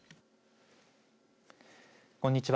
こんにちは。